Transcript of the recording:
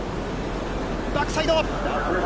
バックサイド。